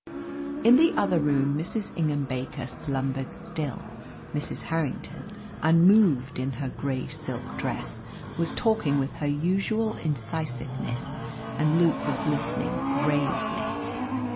In the other room Mrs. Ingham Baker slumbered still. Mrs. Harrington, unmoved in her grey silk dress, was talking with her usual incisiveness, and Luke was listening gravely.